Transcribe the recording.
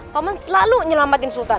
paman selalu nyelamatin sultan